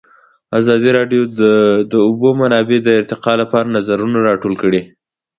ازادي راډیو د د اوبو منابع د ارتقا لپاره نظرونه راټول کړي.